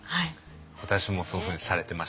私もそういうふうにされてました。